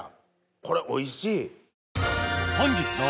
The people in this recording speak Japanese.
これおいしい。